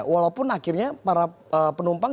walaupun akhirnya para penumpang